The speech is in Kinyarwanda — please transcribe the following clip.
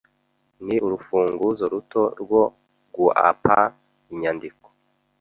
ni urufunguzo ruto rwo guapa inyandiko